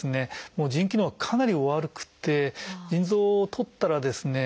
もう腎機能がかなりお悪くて腎臓をとったらですね